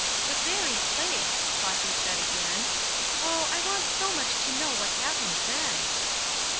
'" "The very place!" Flossy said, again. "Oh, I want so much to know what happened then!"